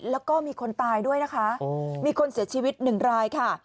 แล้วก็มีคนตายด้วยนะคะมีคนเสียชีวิตหนึ่งรายค่ะ